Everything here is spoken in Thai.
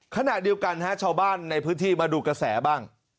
ขณะเดียวกันชาวบ้านในพื้นที่มาดูกระแสบ้าง